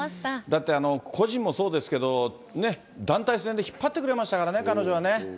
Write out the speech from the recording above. だって個人もそうですけど、団体戦で引っ張ってくれましたからね、彼女はね。